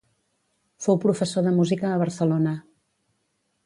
Fou professor de música a Barcelona.